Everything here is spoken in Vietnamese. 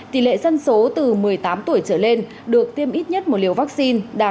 tỷ lệ dân số từ một mươi tám tuổi trở lên được tiêm ít nhất một liều vaccine đạt bốn mươi ba chín